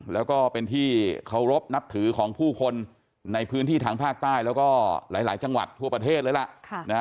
แล้วก็เป็นที่เคารพนับถือของผู้คนในพื้นที่ทางภาคใต้แล้วก็หลายจังหวัดทั่วประเทศเลยล่ะ